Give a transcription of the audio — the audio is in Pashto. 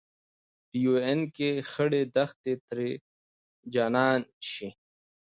په يو آن کې خړې دښتې ترې جنان شي